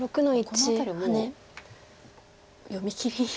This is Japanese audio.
この辺りもう読みきり。